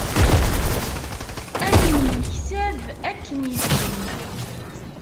Ad nemyeksab akken ilzem.